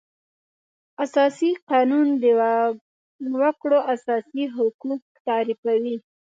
اساسي قانون د وکړو اساسي حقوق تعریفوي.